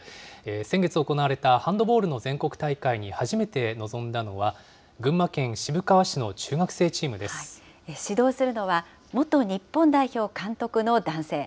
先月行われたハンドボールの全国大会に初めて臨んだのは、群馬県指導するのは、元日本代表監督の男性。